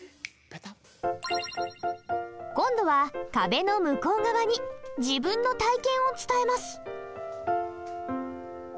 今度は壁の向こう側に自分の体験を伝えます。